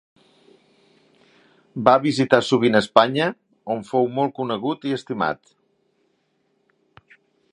Va visitar sovint Espanya, on fou molt conegut i estimat.